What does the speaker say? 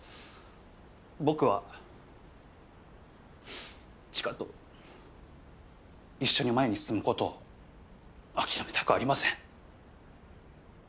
僕は知花と一緒に前に進むことを諦めたくありません。